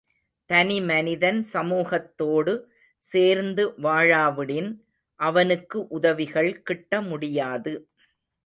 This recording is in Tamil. தனிமனிதன் சமூகத்தோடு சேர்ந்து வாழாவிடின் அவனுக்கு உதவிகள் கிட்டமுடியாது.